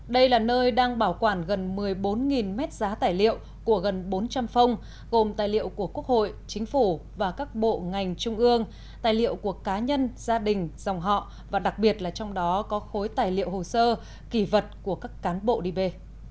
đây là nơi đang bảo quản gần một mươi bốn mét giá tài liệu của gần bốn trăm linh phong gồm tài liệu của quốc hội chính phủ và các bộ ngành trung ương tài liệu của cá nhân gia đình dòng họ và đặc biệt là trong đó có khối tài liệu hồ sơ kỳ vật của các cán bộ đi về